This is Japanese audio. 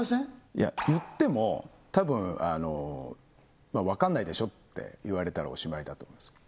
いや言っても多分分かんないでしょって言われたらおしまいだと思うんですよ